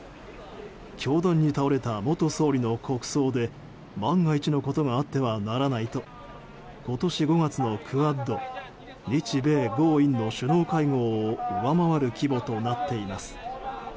凶弾に倒れた元総理の国葬で万が一のことがあってはならないと今年５月のクアッド・日米豪印の首脳会議を上回る規模となっています。